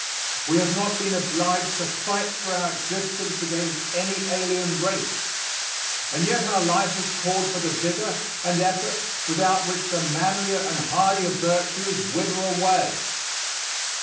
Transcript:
We have not been obliged to fight for our existence against any alien race; and yet our life has called for the vigor and effort without which the manlier and hardier virtues wither away.